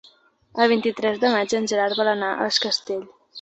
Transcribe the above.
El vint-i-tres de maig en Gerard vol anar a Es Castell.